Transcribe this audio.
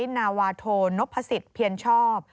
ให้นาวาโทนพพศิษย์เพียญชอบ